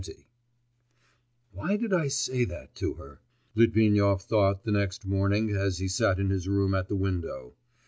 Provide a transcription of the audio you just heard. XX 'Why did I say that to her?' Litvinov thought the next morning as he sat in his room at the window.